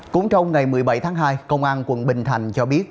cũng trong ngày một mươi bảy tháng hai công an quận bình thành cho biết